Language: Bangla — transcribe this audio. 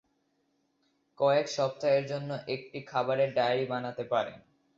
কয়েক সপ্তাহের জন্য একটি খাবারের ডায়েরি বানতে পারেন।